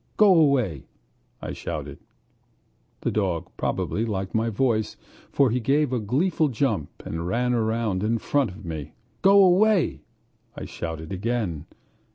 "Go away!" I shouted. The dog probably liked my voice, for he gave a gleeful jump and ran about in front of me. "Go away!" I shouted again.